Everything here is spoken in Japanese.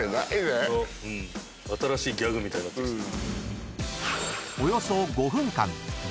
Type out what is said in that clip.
新しいギャグみたいになってきた。